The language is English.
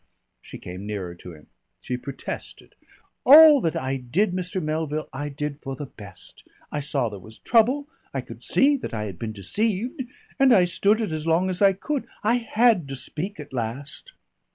She came nearer to him. She protested. "All that I did, Mr. Melville, I did for the best. I saw there was trouble. I could see that I had been deceived, and I stood it as long as I could. I had to speak at last."